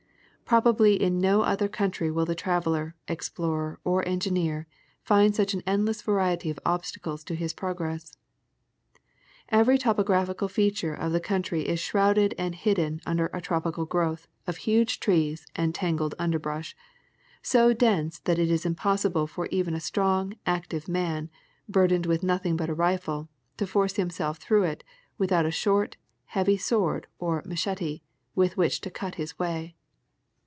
Prob ably in no other country will the traveler, explorer, or engineer, find such an endless variety of obstacles to his progress. Every topographical feature of the country is shrouded and hidden under a tropical growth of huge trees and tangled under brush, so dense that it is impossible for even a strong, active man, burdened with nothing but a rifle, to force himself through it without a short, heavy sword or tnach'ete, with which to cut his way.